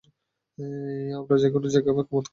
আমরা যেকোন জায়গায় মদ খুঁজে পাব।